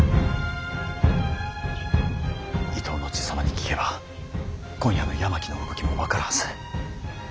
伊東の爺様に聞けば今夜の山木の動きも分かるはず。